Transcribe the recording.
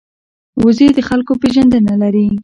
وزې د خلکو پېژندنه لري